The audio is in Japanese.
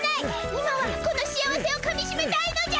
今はこの幸せをかみしめたいのじゃ！